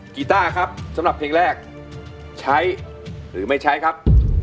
กีต้าครับสำหรับเพลงแรกใช้หรือไม่ใช้ครับ